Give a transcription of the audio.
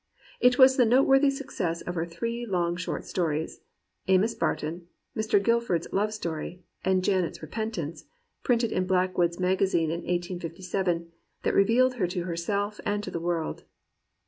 It was the note worthy success of her three long short stories, Amos Barton, Mr. GilfiVs Love Story, and Janet's Repen tance, printed in Blackwood's Magazine in 1857, that revealed her to herself and to the world.